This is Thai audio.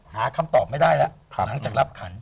หาคำตอบไม่ได้แล้วหลังจากรับขัน